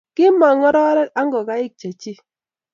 Kiimong ngororik ak ngokaik chechi